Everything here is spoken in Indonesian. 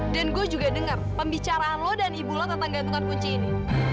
dan gue juga dengar pembicaraan lo dan ibu lo tentang gantungan kunci ini